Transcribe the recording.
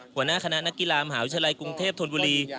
หัวหน้าคณะนักกีฬามหาวิทยาลัยกรุงเทพธนบุรี